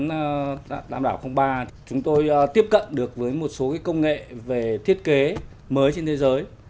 dự án đàm đảo ba chúng tôi tiếp cận được với một số công nghệ về thiết kế mới trên thế giới